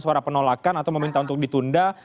suara penolakan atau meminta untuk ditunda